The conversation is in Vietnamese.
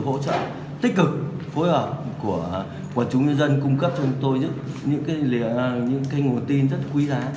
hỗ trợ tích cực phối hợp của chúng dân cung cấp cho chúng tôi những cái nguồn tin rất quý giá